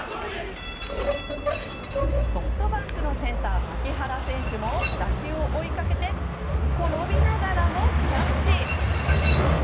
ソフトバンクのセンター牧原選手も打球を追いかけて転びながらもキャッチ！